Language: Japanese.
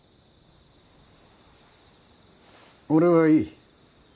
俺はいい。